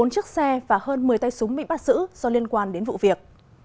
bốn chiếc xe và hơn một mươi tay súng bị bắt giữ do liên quan đến vụ việc